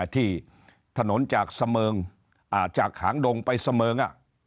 ที่ถนนจากเสมิงจากหางดงไปเสมิง